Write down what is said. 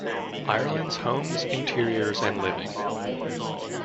Ireland's Homes Interiors and Living.